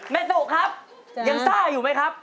ตุครับยังซ่าอยู่ไหมครับ